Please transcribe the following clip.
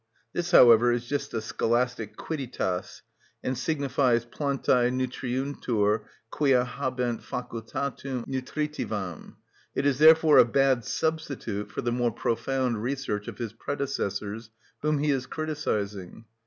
This, however, is just a scholastic Quidditas, and signifies plantœ nutriuntur quia habent facultatem nutritivam. It is therefore a bad substitute for the more profound research of his predecessors, whom he is criticising.